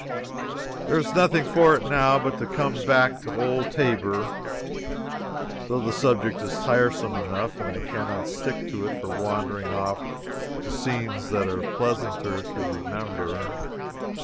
There is nothing for it now but to come back to old Tabor, though the subject is tiresome enough, and I can not stick to it for wandering off to scenes that are pleasanter to remember.